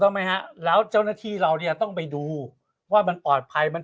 ไหมฮะแล้วเจ้าหน้าที่เราเนี่ยต้องไปดูว่ามันปลอดภัยมัน